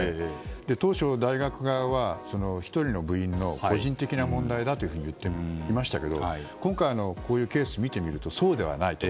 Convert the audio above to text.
当初、大学側は１人の部員の個人的な問題だと言っていましたけども今回のこういうケースを見るとそうではないと。